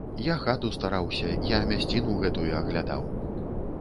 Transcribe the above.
Я хату стараўся, я мясціну гэтую аглядаў!